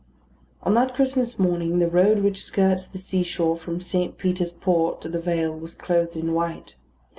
On that Christmas morning, the road which skirts the seashore from St. Peter's Port to the Vale was clothed in white.